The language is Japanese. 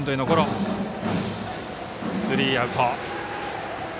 スリーアウト。